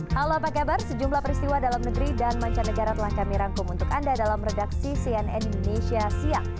halo apa kabar sejumlah peristiwa dalam negeri dan mancanegara telah kami rangkum untuk anda dalam redaksi cnn indonesia siang